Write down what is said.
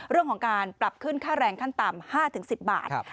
เรื่องของการปรับขึ้นค่าแรงขั้นต่ำ๕๑๐บาท